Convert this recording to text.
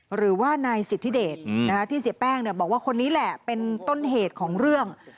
หรือว่านายสิทธิเดชที่เสียแป้งบอกว่าคนนี้แหละเป็นต้นเหตุของเรื่อง